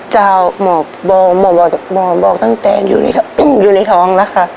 เจ้าหมอบอกตั้งแต่อยู่ในท้องละครับ